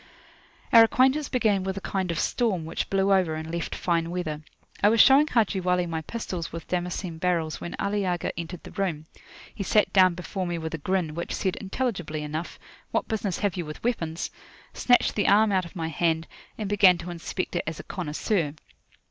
Our acquaintance began with a kind of storm, which blew over, and left fine weather. I was showing Haji Wali my pistols with Damascene barrels when Ali Agha entered the room. He sat down before me with a grin, which said intelligibly enough, "What business have you with weapons?" snatched the arm out of my hand, and began to inspect it as a connoisseur.